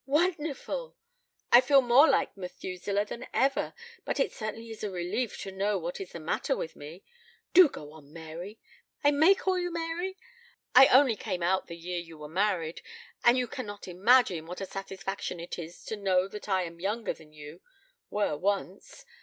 "Wonderful! I feel more like Methuselah than ever. But it certainly is a relief to know what is the matter with me. Do go on, Mary I may call you Mary? I only came out the year you were married and you cannot imagine what a satisfaction it is to know that I am younger than you were once.